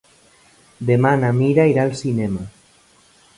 Demà na Mira irà al cinema.